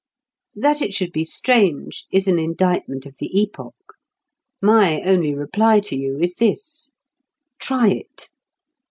That it should be strange is an indictment of the epoch. My only reply to you is this: Try it.